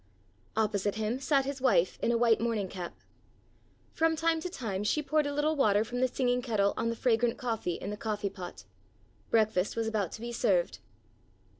Opposite him sat his wife in a white morning cap. From time to time she poured a little water from the singing kettle on the fragrant coffee in the coffee pot. Breakfast was about to be served.